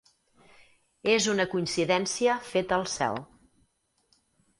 És una coincidència feta al cel.